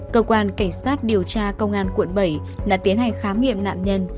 cơ quan cảnh sát điều tra công an quận bảy đã tiến hành khám nghiệm nạn nhân